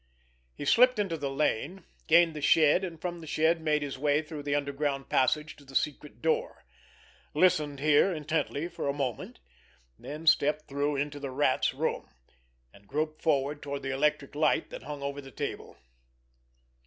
He slipped into the lane, gained the shed, and from the shed made his way through the underground passage to the secret door, listened here intently for a moment, then stepped through into the Rat's room, and groped forward toward the electric light that hung over the table.